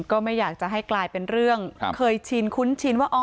ก็ไม่อยากจะให้กลายเป็นเรื่องเคยชินคุ้นชินว่า